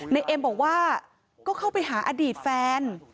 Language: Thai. เอ็มบอกว่าก็เข้าไปหาอดีตแฟน